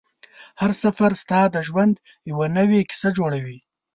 هر سفر ستا د ژوند یوه نوې کیسه جوړوي